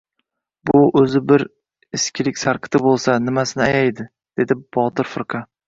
— Bu o‘zi bir... eskilik sarqiti bo‘lsa, nimasini ayaydi? — dedi Botir firqa.